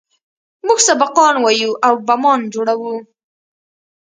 موږ سبقان وايو او بمان جوړوو.